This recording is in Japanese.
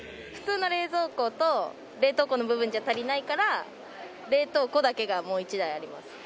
普通の冷蔵庫と冷凍庫の部分じゃ足りないから冷凍庫だけがもう１台あります。